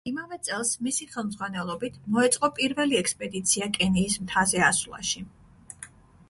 იმავე წელს, მისი ხელმძღვანელობით მოეწყო პირველი ექსპედიცია კენიის მთაზე ასვლაში.